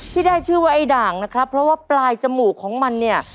ที่ได้ชื่อว่าไอ้ด่างนะครับเพราะว่าปลายจมูกของมันเนี่ย